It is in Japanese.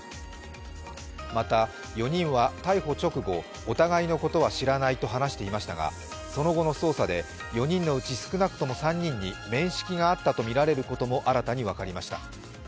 また４人は逮捕直後、お互いのことは知らないと話していましたがその後の捜査で、４人のうち少なくとも３人に面識があったとみられることも新たに分かりました。